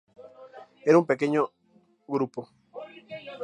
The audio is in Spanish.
Era un grupo pequeño.